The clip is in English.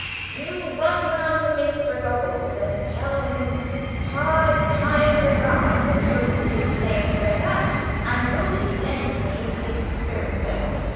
you run round to Mr. Goggles, and tell him, 'Pa's kind regards, and hopes his leg's better; and will he lend him his spirit level?